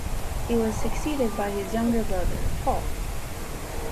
He was succeeded by his younger brother, Paul.